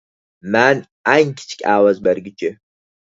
مەن ئەڭ كىچىك ئاۋاز بەرگۈچى